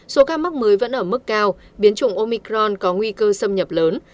số ca mắc mới vẫn ở mức cao biến chủng omicron có nguy cơ xâm nhập lớn